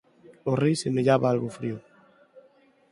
O Rei semellaba algo frío.